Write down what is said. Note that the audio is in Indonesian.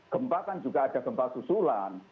gempa kan juga ada gempa susulan